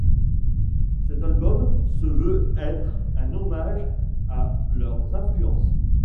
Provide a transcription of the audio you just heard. Cet album se veut être un hommage à leurs influences.